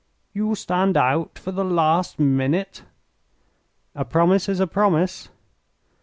"You stand out for the last minute?" "A promise is a promise."